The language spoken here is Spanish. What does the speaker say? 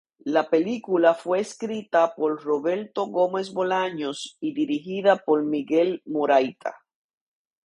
La película fue escrita por Roberto Gómez Bolaños y dirigida por Miguel Morayta.